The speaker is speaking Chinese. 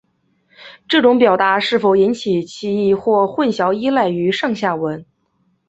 这种表示是否引起歧义或混淆依赖于上下文。